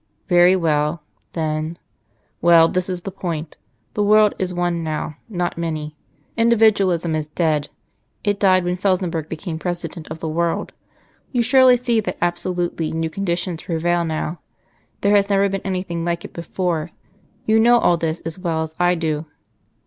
"Very well, then.... Well, this is the point. The world is one now, not many. Individualism is dead. It died when Felsenburgh became President of the World. You surely see that absolutely new conditions prevail now there has never been anything like it before. You know all this as well as I do."